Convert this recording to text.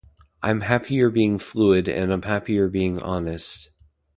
I'm happier being fluid and I'm happier being honest.